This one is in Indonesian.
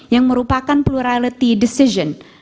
yang merupakan plurality decision